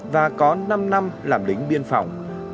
và có năm năm làm lính biên phòng